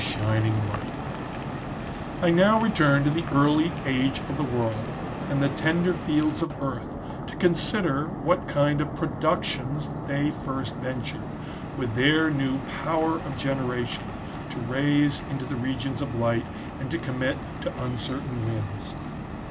shining light,) I now return to the early age of the world, and the tender fields of earth, to consider what kiTid of productions they first ventured,* with their new power of generation, to raise into the regions of light, and to commit to uncertain winds.